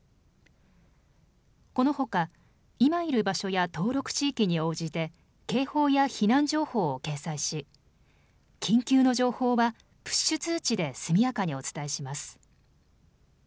このほか今いる場所や登録地域に応じて警報や避難情報を掲載し緊急の情報はプッシュ通知で速やかにお伝えします。